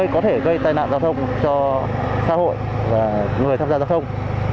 có thể gây tai nạn giao thông cho xã hội và người tham gia giao thông